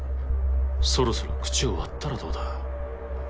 そろそろ口を割ったらどうだ？